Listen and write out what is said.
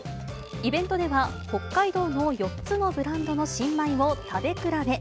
イベントでは北海道の４つのブランドの新米を食べ比べ。